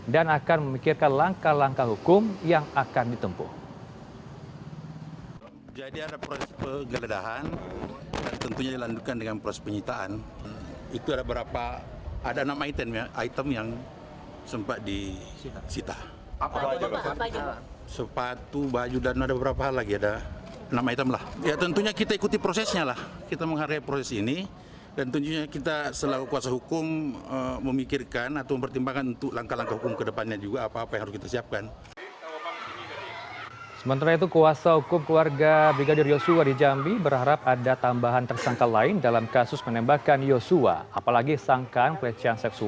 dan akan memikirkan langkah langkah yang akan diperlukan untuk mengembangkan tim khusus